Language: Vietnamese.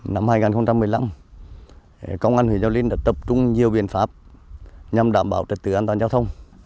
năm hai nghìn một mươi năm công an huyện gio linh đã tập trung nhiều biện pháp nhằm đảm bảo trật tự an toàn giao thông